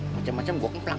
macem macem gue keplang